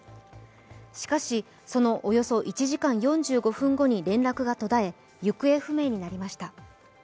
しかし、そのおよそ１時間４５分後に連絡が途絶え、行方不明になりました。